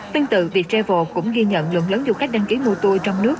tương tự viettravel cũng ghi nhận lượng lớn du khách đăng ký mua tour trong nước